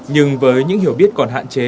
nhưng với những hiểu biết còn hạn chế